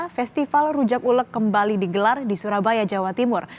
festival rujak ulek kembali digelar di surabaya jawa timur